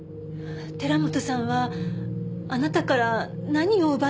寺本さんはあなたから何を奪ったの？